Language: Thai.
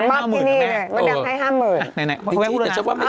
มามอบที่นี่เลยวันดำให้๕๐๐๐๐บาท